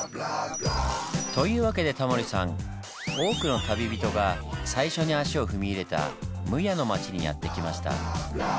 というわけでタモリさん多くの旅人が最初に足を踏み入れた撫養の町にやって来ました。